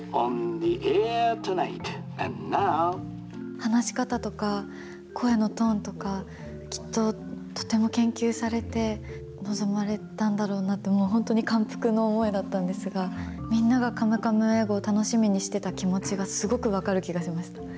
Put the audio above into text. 話し方とか声のトーンとか、きっととても研究されて臨まれたんだろうなって、もう、感服の思いだったんですが、みんながカムカム英語を楽しみにしていた気持ちがすごく分かる気がしました。